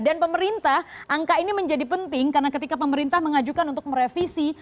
dan pemerintah angka ini menjadi penting karena ketika pemerintah mengajukan untuk merevisi